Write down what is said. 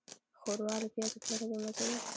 ښوروا له پیازو پرته بېمزه وي.